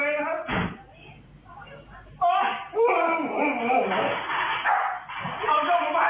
ไม่อยากให้ลูกเพื่อนมาลักเก่งใจนี้